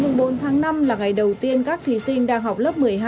ngày bốn tháng năm là ngày đầu tiên các thí sinh đang học lớp một mươi hai